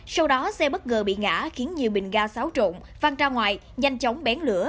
sau đó xe bất ngờ bị ngã khiến nhiều bình ga xáo trộn văn ra ngoài nhanh chóng bén lửa